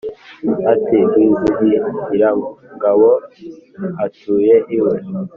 Ati : Rwizihirangabo atuye iwe